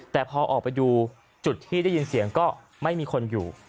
แต่พอออกไปดูจุดที่ได้ยินเสียงก็ไม่มีคนอยู่